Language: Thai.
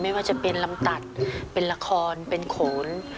ไม่ว่าจะเป็นลำตัดเป็นละครเป็นโขน